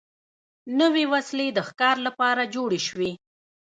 نوې وسلې د ښکار لپاره جوړې شوې.